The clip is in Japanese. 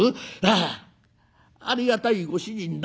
『ああありがたいご主人だ。